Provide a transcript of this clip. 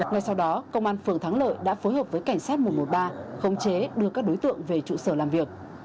ngay sau đó công an phường thắng lợi đã phối hợp với cảnh sát một trăm một mươi ba khống chế đưa các đối tượng về trụ sở làm việc